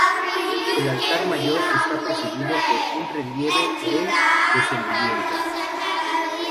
El altar mayor está presidido por un relieve del "Descendimiento".